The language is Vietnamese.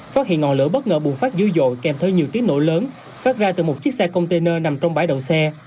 phát hiện ngọn lửa bất ngờ bùng phát dữ dội kèm theo nhiều tiếng nổ lớn phát ra từ một chiếc xe container nằm trong bãi đầu xe